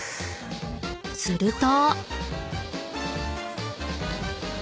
［すると］